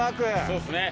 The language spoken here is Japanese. そうですね。